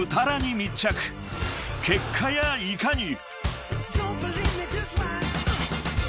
［結果やいかに！？］